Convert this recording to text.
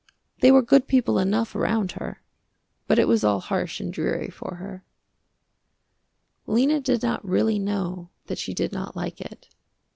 They were good people enough around her, but it was all harsh and dreary for her. Lena did not really know that she did not like it.